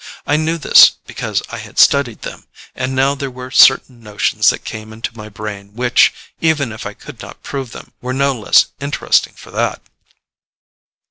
I knew this, because I had studied them, and now there were certain notions that came into my brain which, even if I could not prove them, were no less interesting for that.